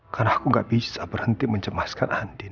karena aku gak bisa berhenti mencemaskan andin